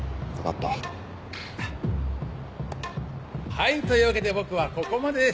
はいというわけで僕はここまでです。